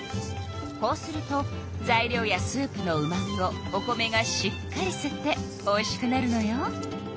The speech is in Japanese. こうすると材料やスープのうまみをお米がしっかりすっておいしくなるのよ。